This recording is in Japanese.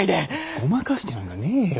ごまかしてなんかねえよ。